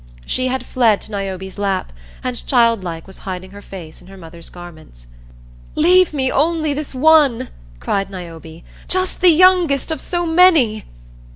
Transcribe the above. She had fled to Niobe's lap and childlike was hiding her face in her mother's garments. "Leave me only this one," cried Niobe, "just the youngest of so many."